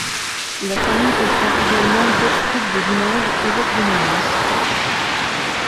La famille comprend également Gottfried de Linange, évêque de Mayence.